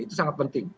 itu sangat penting